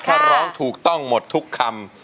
ถ้าร้องถูกต้องหมดทุกคำ